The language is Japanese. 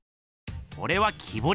これは木ぼり。